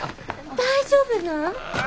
大丈夫なん？